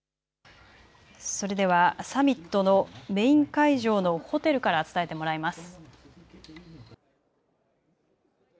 それではサミットのメイン会場のホテルから伝えてもらいます。